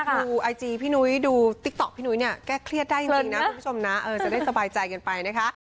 ใช่ค่ะแต่ว่าดูไอจีนุ้ยดูติ๊กต๊อกนุ้ยเนี่ยแก้เครียดได้จริงนะคุณผู้ชมนะจะได้สบายใจกันไปนะคะ